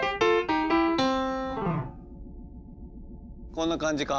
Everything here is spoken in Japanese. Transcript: こんな感じか？